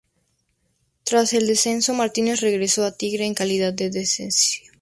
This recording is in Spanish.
Tras el descenso, Martínez regresó a Tigre en calidad de cedido.